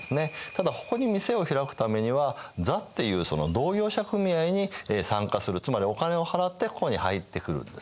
ただここに店を開くためには座っていう同業者組合に参加するつまりお金を払ってここに入ってくるんですね。